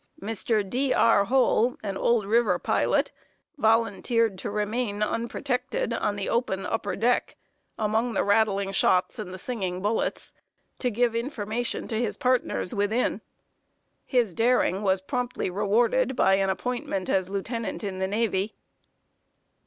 Mr. D. R. Hoell, an old river pilot, volunteered to remain unprotected on the open upper deck, among the rattling shots and the singing bullets, to give information to his partners within. His daring was promptly rewarded by an appointment as lieutenant in the navy.